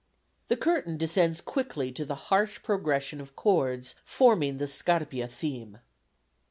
The curtain descends quickly to the harsh progression of chords forming the Scarpia theme.